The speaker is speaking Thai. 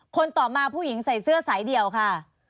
ต่อมาผู้หญิงใส่เสื้อสายเดี่ยวค่ะ